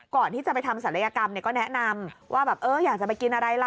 ก่อนที่จะไปทำศัลยกรรมก็แนะนำว่าแบบเอออยากจะไปกินอะไรล่ะ